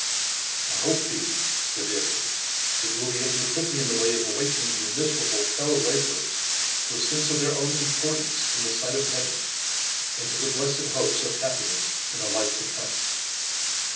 *' I hope, Phebe," said Edward, '' that you will be able to pot me in the way of awakening your miserable fellow labourers to a sense of their own importance in the sight of Heaven, and to the blessed hopes of happiness in a life to come."